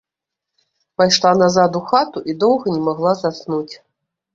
Пайшла назад у хату і доўга не магла заснуць.